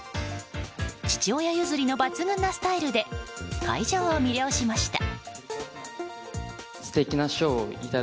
父親譲りの抜群なスタイルで会場を魅了しました。